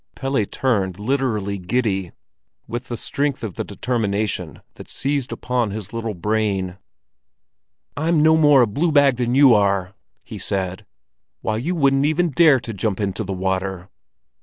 Pelle turned literally giddy, with the strength of the determination that seized upon his little brain. "I'm no more a blue bag than you are!" he said. "Why, you wouldn't even dare to jump into the water!"